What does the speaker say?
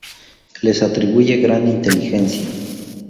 Les atribuye gran inteligencia.